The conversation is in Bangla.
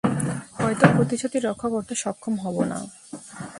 হয়তো প্রতিশ্রুতি রক্ষা করতে সক্ষম হব না।